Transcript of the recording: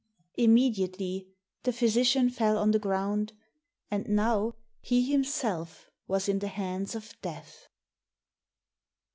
Immediately the physician fell on the ground, and now he himself was in the hands of Death.